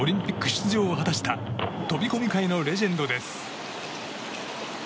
出場を果たした飛込界のレジェンドです。